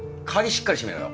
しっかりしめろよ